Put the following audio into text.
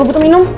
lo butuh minum